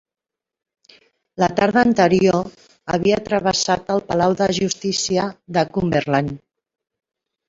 La tarda anterior havia travessat el Palau de Justícia de Cumberland.